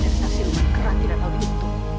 cerita siluman kerah tidak tahu di situ